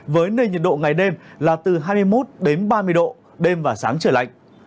với nền nhiệt độ ngày đêm là từ hai mươi một đến ba mươi độ đêm và sáng trời lạnh